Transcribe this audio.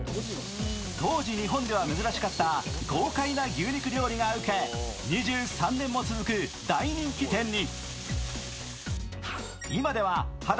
当時日本では珍しかった豪快な肉料理がウケ、２３年も続く大人気店に。